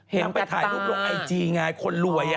นางไปถ่ายรูปลงไอจีไงคนรวย